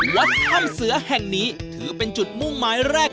วัดถ้ำเสือแห่งนี้ถือเป็นจุดมุ่งหมายแรก